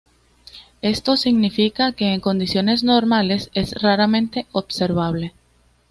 Esto significa que en condiciones normales es raramente observable.